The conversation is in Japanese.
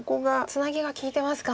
ツナギが利いてますか。